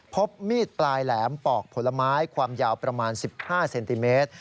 พบมีดปลายแหลมปอกผลไม้ความยาวประมาณ๑๕เซนติเมตร